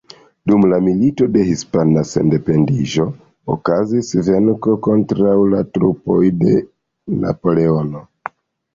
Dum la Milito de Hispana Sendependiĝo okazis venko kontraŭ la trupoj de Napoleono.